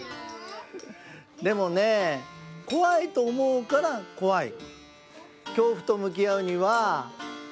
でもね怖いとおもうから怖い。